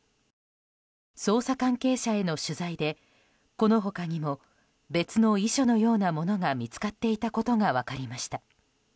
捜査関係者への取材でこの他にも別の遺書のようなものが見つかっていたことが分かりました。